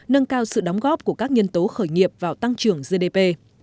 nâng cao sự đóng góp của các nhân tố khởi nghiệp vào tăng trưởng gdp